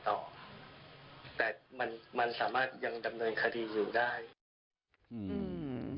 แต่มันสามารถยังดำเนินคดีอยู่ได้